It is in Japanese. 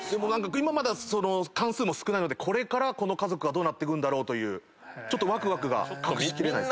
今まだ巻数も少ないのでこれからこの家族はどうなっていくんだろうというちょっとわくわくが。